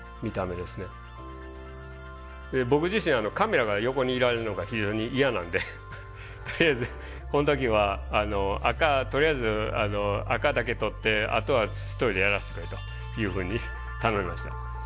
僕自身カメラが横にいられるのが非常に嫌なんでこの時は赤とりあえず赤だけ撮ってあとは一人でやらせてくれというふうに頼みました。